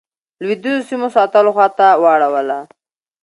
لوېدیځو سیمو ساتلو خواته واړوله.